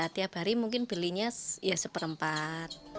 tiap hari mungkin belinya ya seperempat